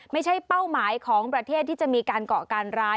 ไม่ใช่เป้าหมายของประเทศที่จะมีการก่อการร้าย